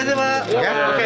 terima kasih pak